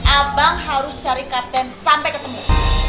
abang harus cari kapten sampai ketemu